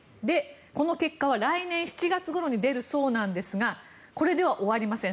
この結果は来年７月ごろに出るそうなんですがこれでは終わりません。